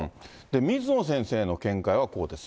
水野先生の見解はこうです。